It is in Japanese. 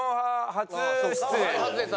初です。